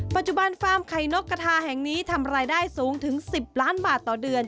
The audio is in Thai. ฟาร์มไข่นกกระทาแห่งนี้ทำรายได้สูงถึง๑๐ล้านบาทต่อเดือน